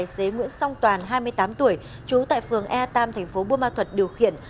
xế nguyễn song toàn hai mươi tám tuổi trú tại phường e tam thành phố buôn ma thuật điều khiển